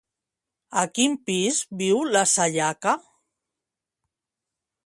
A quin pis viu la Sayaka?